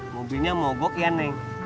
mobilnya mogok ya neng